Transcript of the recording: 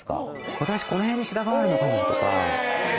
私この辺に白髪があるのかもとか。